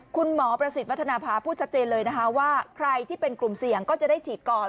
คุณหมอประสิทธิ์วัฒนภาพูดชัดเจนเลยนะคะว่าใครที่เป็นกลุ่มเสี่ยงก็จะได้ฉีดก่อน